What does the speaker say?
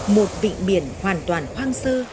một vịnh biển hoàn toàn khoang sơ